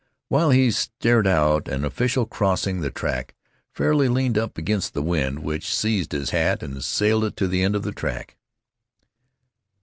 While he stared out, an official crossing the track fairly leaned up against the wind, which seized his hat and sailed it to the end of the track.